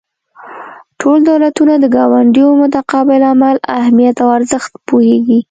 ټول دولتونه د ګاونډیو متقابل عمل اهمیت او ارزښت پوهیږي